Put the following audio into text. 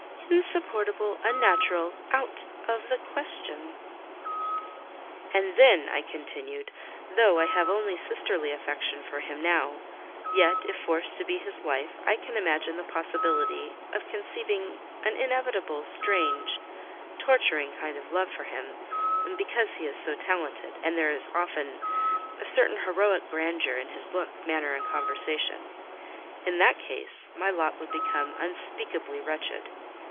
"Insupportable—unnatural—out of the question!" "And then," I continued, "though I have only sisterly affection for him now, yet, if forced to be his wife, I can imagine the possibility of conceiving an inevitable, strange, torturing kind of love for him, because he is so talented; and there is often a certain heroic grandeur in his look, manner, and conversation. In that case, my lot would become unspeakably wretched.